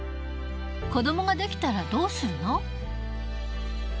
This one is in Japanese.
子どもが出来たらどうするの？